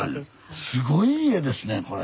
すごい家ですねこれ。